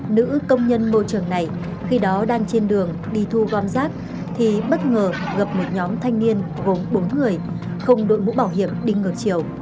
nữ công nhân môi trường này khi đó đang trên đường đi thu gom rác thì bất ngờ gặp một nhóm thanh niên gồm bốn người không đội mũ bảo hiểm đi ngược chiều